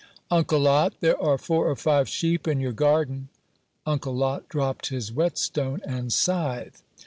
"Uncle Lot, there are four or five sheep in your garden!" Uncle Lot dropped his whetstone and scythe.